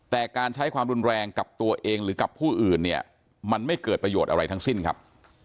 แต่การใช้ความรุนแรงกับตัวเองหรือกับผู้อื่นเนี่ยมันไม่เกิดประโยชน์อะไรทั้งสิ้นครับ